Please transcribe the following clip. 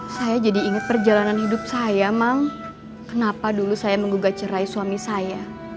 saya jadi ingat perjalanan hidup saya mang kenapa dulu saya menggugat cerai suami saya